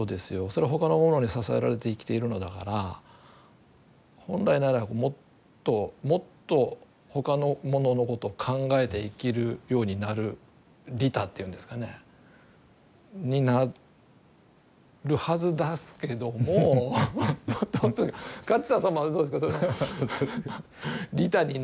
それは他のものに支えられて生きているのだから本来ならもっともっと他のもののことを考えて生きるようになる利他っていうんですかねになるはずですけども梶田様はどうですかその利他になれますか。